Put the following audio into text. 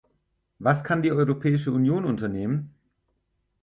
Was kann die Europäische Union unternehmen?